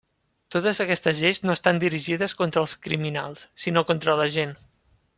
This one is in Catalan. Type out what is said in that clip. Totes aquestes lleis no estan dirigides contra els criminals, sinó contra la gent.